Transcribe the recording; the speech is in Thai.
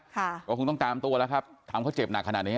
ค่ะก็คงต้องตามตัวแล้วครับทำเขาเจ็บหนักขนาดนี้